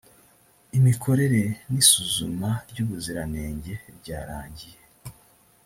imikorere n ‘isuzuma ry’ ubuziranenge ryarangiye